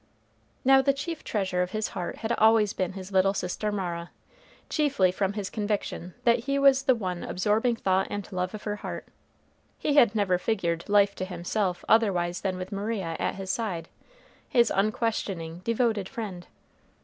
Now the chief treasure of his heart had always been his little sister Mara, chiefly from his conviction that he was the one absorbing thought and love of her heart. He had never figured life to himself otherwise than with Mara at his side, his unquestioning, devoted friend.